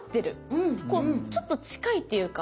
こうちょっと近いっていうか。